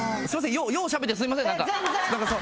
ようしゃべってすみません何か。